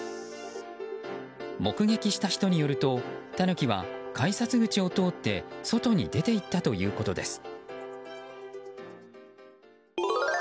目撃した人によるとタヌキは改札口を通って外に出ていったということです。